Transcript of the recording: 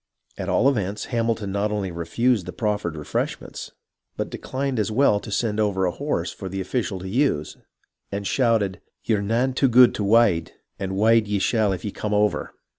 At all events, Hamilton not only refused the proffered refresh ments, but declined as well to send over a horse for the official to use, and shouted, " Ye're nane too gude to wade, and wade ye shall if ye come over